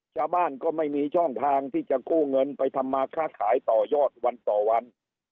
ชาวบ้านก็ไม่มีช่องทางที่จะกู้เงินไปทำมาค้าขายต่อยอดวันต่อวัน